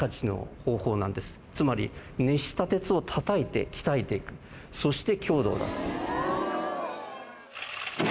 つまり熱した鉄を叩いて鍛えてそして強度を出す。